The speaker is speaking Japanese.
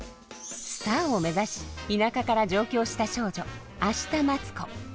スターを目指し田舎から上京した少女明日待子。